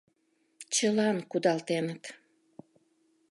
ЧЫЛАН КУДАЛТЕНЫТ